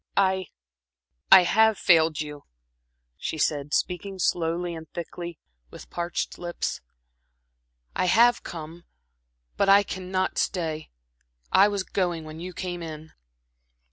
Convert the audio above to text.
"I I have failed you," she said, speaking slowly and thickly, with parched lips. "I have come, but I cannot stay. I was going when you came in."